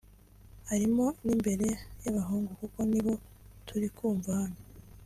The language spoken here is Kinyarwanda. harimo n’imbere y’abahungu (kuko nibo turi kuvuga hano)